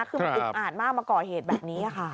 คือมันอุกอาจมากมาก่อเหตุแบบนี้ค่ะ